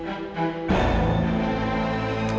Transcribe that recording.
botenpah artinya pola thailand